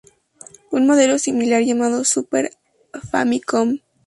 Un modelo similar llamado ""Super Famicom Jr.